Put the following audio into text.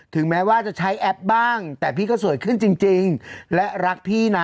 แม้ว่าจะใช้แอปบ้างแต่พี่ก็สวยขึ้นจริงและรักพี่นะ